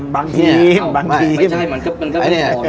บางทีพ